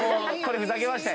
ふざけましたよ。